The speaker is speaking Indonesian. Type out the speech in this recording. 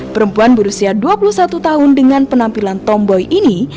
perempuan berusia dua puluh satu tahun dengan penampilan tomboy ini